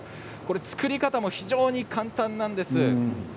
作り方も非常に簡単なんです。